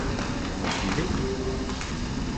Vous me suivez?